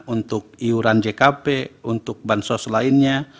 untuk iuran jkp untuk bansos lainnya